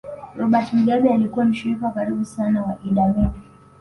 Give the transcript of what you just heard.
Robert Mugabe alikuwa mshirika wa karibu sana wa Idi Amin